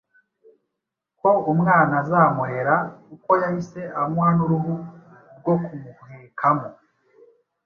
ko umwana azamurera kuko yahise amuha n’uruhu rwo kumuhekamo.